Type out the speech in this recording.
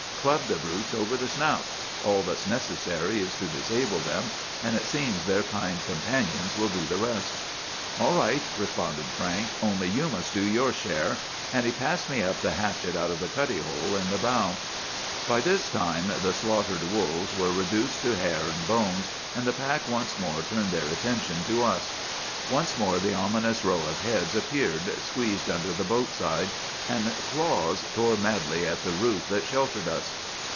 Club the brutes over the snout. All that's necessary is to disable them, and it seems their kind companions will do the rest.' "'All right,' responded Frank; 'only you must do your share!' and he passed me up the hatchet out of the 'cuddy hole' in the bow. "By this time the slaughtered wolves were reduced to hair and bones, and the pack once more turned their attention to us. Once more the ominous row of heads appeared, squeezed under the boat side, and claws tore madly at the roof that sheltered us.